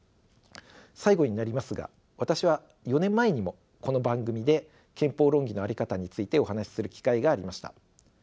最後になりますが私は４年前にもこの番組で憲法論議の在り方についてお話しする機会がありました。